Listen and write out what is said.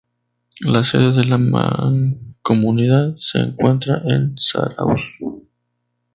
La sede de la mancomunidad se encuentra en Zarauz.